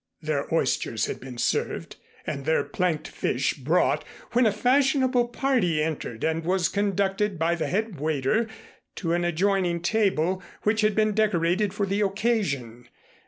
Their oysters had been served and their planked fish brought when a fashionable party entered and was conducted by the head waiter to an adjoining table which had been decorated for the occasion.